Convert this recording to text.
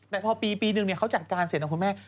แต่พอปีนึงเขาจัดการเสร็จนะคุณแม่